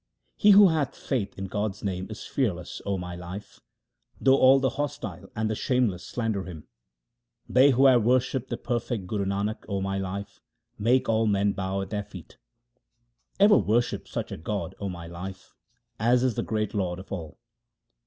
He who hath faith in God's name is fearless, O my life, though all the hostile and the shameless slander him. They who have worshipped the perfect Guru Nanak, O my life, make all men bow at their feet. Ever worship such a God, O my life, as is the great Lord of all.